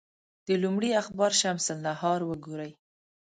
د لومړي اخبار شمس النهار وګوري.